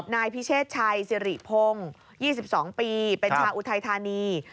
นายพิเชษชัยสิริพงศ์๒๒ปีเป็นชาวอุทัยธานี